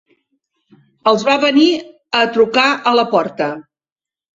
Els va venir a trucar a la porta.